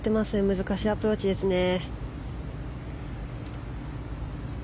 難しいアプローチですね。